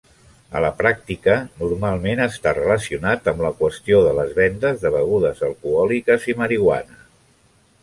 A la pràctica, normalment està relacionat amb la qüestió de les vendes de begudes alcohòliques i marihuana.